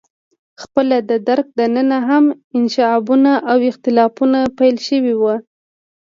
خپله د درګ دننه هم انشعابونه او اختلافونه پیل شوي وو.